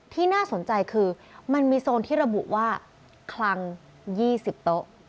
น่าสนใจคือมันมีโซนที่ระบุว่าคลัง๒๐โต๊ะ